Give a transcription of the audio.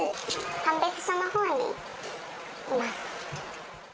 鑑別所のほうにいます。